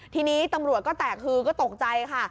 ทีนี้ตำรวจก็แตกคือก็ตกใจค่ะ